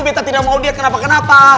kita tidak mau dia kenapa kenapa